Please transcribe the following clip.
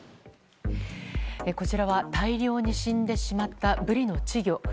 こちらは大量に死んでしまったブリの稚魚。